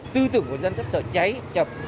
tư tưởng của dân rất sợ cháy chập